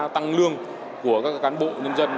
tăng lương của các cán bộ nhân dân